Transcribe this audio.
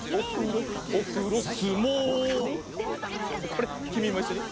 これきみもいっしょに。